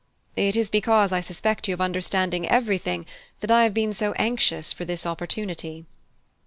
"It is because I suspect you of understanding everything that I have been so anxious for this opportunity."